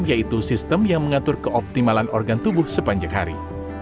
yaitu sistem yang mengatur keoptimalan organ tubuh sepanjang hari